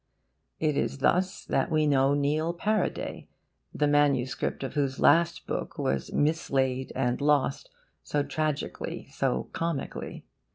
It is thus that we know Neil Paraday, the MS. of whose last book was mislaid and lost so tragically, so comically.